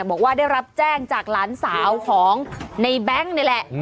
บอกว่าได้รับแจ้งจากหลานสาวของในแบงค์นี่แหละ